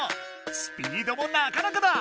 スピードもなかなかだ！